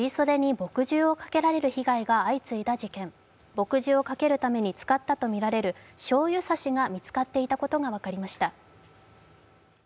墨汁をかけるために使ったとみられるしょうゆ差しが見つかっていたことが分かりました。